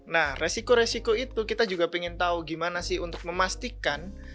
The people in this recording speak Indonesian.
nah resiko resiko itu kita juga ingin tahu gimana sih untuk memastikan